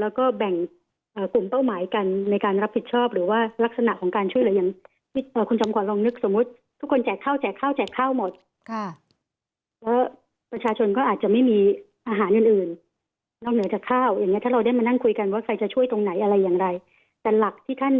แล้วก็ไม่ซ้ำซ้อนใช่ไหมครับ